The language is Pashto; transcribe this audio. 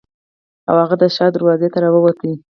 او هغه د ښار دروازې ته راووت.